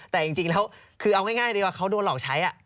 แต่จริงแล้วคือเอาง่ายดีกว่าเขาโดนหลอกใช้